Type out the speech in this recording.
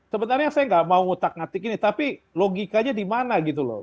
sebenarnya saya nggak mau ngutak ngatik ini tapi logikanya di mana gitu loh